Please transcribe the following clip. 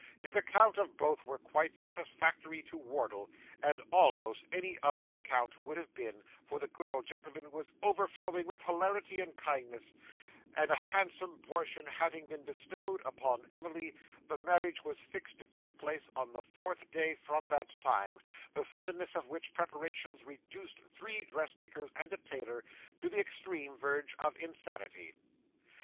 His account of both was quite satisfactory to Wardle as almost any other account would have been, for the good old gentleman was overflowing with hilarity and kindness and a handsome portion having been bestowed upon Emily, the marriage was fixed to take place on the fourth day from that time the suddenness of which preparations reduced three dressmakers and a tailor to the extreme verge of insanity.